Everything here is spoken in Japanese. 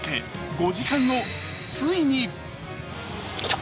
５時間後ついに。